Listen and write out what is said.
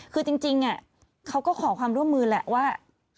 คือจริงเขาก็ขอความร่วมมือแหละว่า